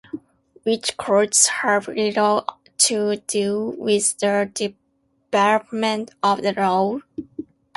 Which courts have little to do with the development of the law?